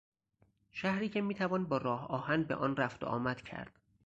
شهری که میتوان با راه آهن به آن رفت و آمد کرد.